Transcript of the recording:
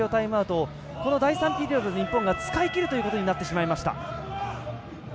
この第３ピリオドで日本が使い切ることになってしまいました。